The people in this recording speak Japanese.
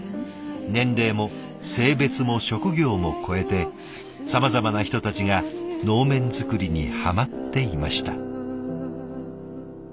年齢も性別も職業も超えてさまざまな人たちが能面作りにハマっていました。